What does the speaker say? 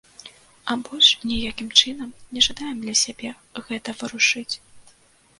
А больш ніякім чынам не жадаем для сябе гэта варушыць.